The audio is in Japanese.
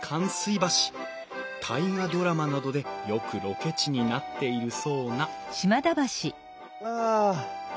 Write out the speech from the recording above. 「大河ドラマ」などでよくロケ地になっているそうなあ。